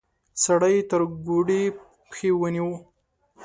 سړی يې تر ګوډې پښې ونيو.